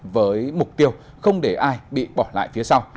với mục tiêu không để ai bị bỏ lại phía sau